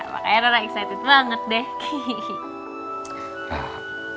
makanya ada excited banget deh